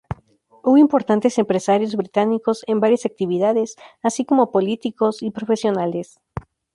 Hubo importantes empresarios británicos en varias actividades, así como políticos y profesionales.